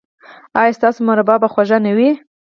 ایا ستاسو مربا به خوږه نه وي؟